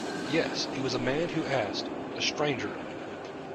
Yes, it was a man who asked, a stranger.